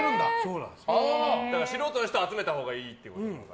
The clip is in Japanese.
素人の人を集めたほうがいいってことか。